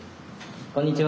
こんにちは！